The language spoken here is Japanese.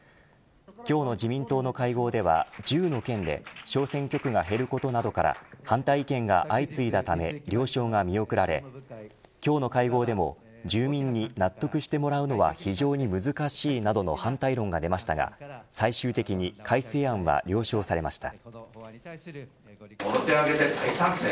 今日の自民党の会合では１０の県で小選挙区が減ることなどから反対意見が相次いだため了承が見送られ今日の会合でも住民に納得してもらうのは非常に難しいなどの反対論が出ましたが最終的に改正案は了承されました。